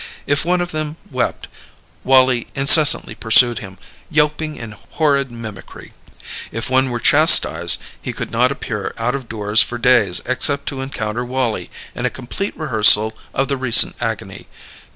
If one of them wept, Wallie incessantly pursued him, yelping in horrid mimicry; if one were chastised he could not appear out of doors for days except to encounter Wallie and a complete rehearsal of the recent agony.